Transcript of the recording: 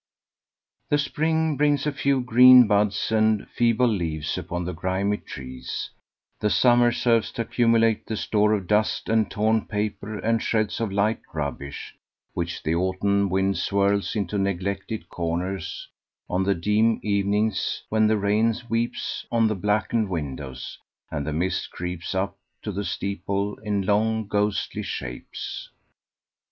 The spring brings a few green buds and feeble leaves upon the grimy trees; the summer serves to accumulate the store of dust and torn paper and shreds of light rubbish which the autumn wind swirls into neglected corners on the dim evenings when the rain weeps on the blackened windows and the mist creeps up to the steeple in long ghostly shapes.